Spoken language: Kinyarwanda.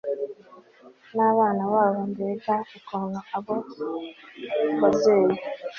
nabana babo Mbega ukuntu abo babyeyi